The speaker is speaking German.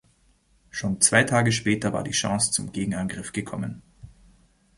Schon zwei Tage später war die Chance zum Gegenangriff gekommen.